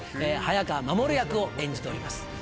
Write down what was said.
早川守役を演じております